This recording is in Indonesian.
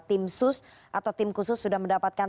tim sus atau tim khusus sudah mendapatkan